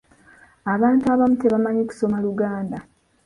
Abantu abamu tebamanyi kusoma luganda.